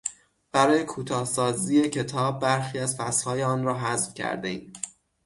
برای کوتاه سازی کتاب برخی از فصلهای آن را حذف کردهایم.